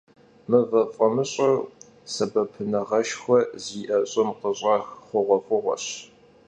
Mıve f'amış'ır — sebepınağışşxue zi'e ş'ım khış'ax xhuğuef'ığueş.